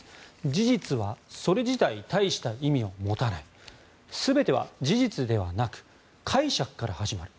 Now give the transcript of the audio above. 「事実はそれ自体大した意味を持たない」「全ては事実ではなく解釈から始まる」